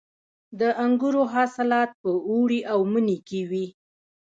د انګورو حاصلات په اوړي او مني کې وي.